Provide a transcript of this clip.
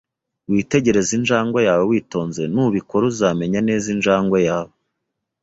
Witegereze injangwe yawe witonze. Nubikora, uzamenya neza injangwe yawe